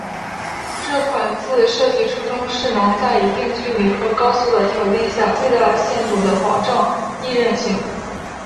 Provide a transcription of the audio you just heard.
这款字设计初衷是能在一定距离和高速的条件下最大限度地保证易认性。